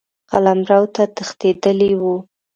قلمرو ته تښتېدلی وو.